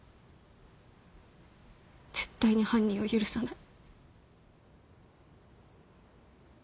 絶対に犯人を許さない。